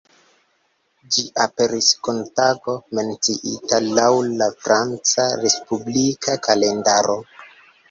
Ĝi aperis kun tago menciita laŭ la Franca respublika kalendaro.